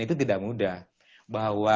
itu tidak mudah bahwa